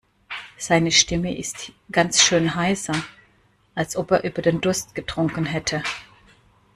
Seine Stimme ist ganz schön heiser, als ob er über den Durst getrunken hätte.